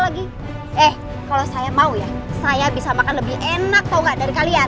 eee kalau saya mau ya saya bisa makan lebih enak tau nggak dari kalian